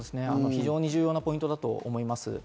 非常に重要な側面だと思います。